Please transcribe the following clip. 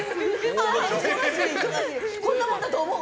こんなもんだと思う？